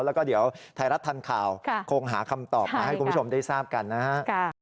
แล้วก็เดี๋ยวไทยรัฐทันข่าวคงหาคำตอบมาให้คุณผู้ชมได้ทราบกันนะฮะ